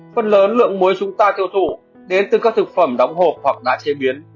phần lớn lượng muối chúng ta tiêu thụ đến từ các thực phẩm đóng hộp hoặc đá chế biến